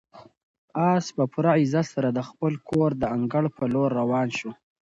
آس په پوره عزت سره د خپل کور د انګړ په لور روان شو.